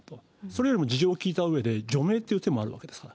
それよりも、事情を聞いたうえで、除名という手もあるわけです。